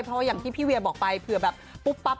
เพราะว่าอย่างที่พี่เวียบอกไปเผื่อแบบปุ๊บปั๊บ